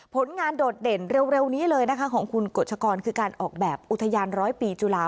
ผลงานโดดเด่นเร็วนี้เลยนะคะของคุณกฎชกรคือการออกแบบอุทยานร้อยปีจุฬา